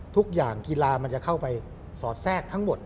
ทุกอย่างกีฬามันจะเข้าไปสอดแทรกทั้งหมด